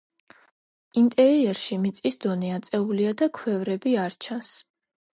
ინტერიერში მიწის დონე აწეულია და ქვევრები არ ჩანს.